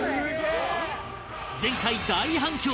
前回大反響！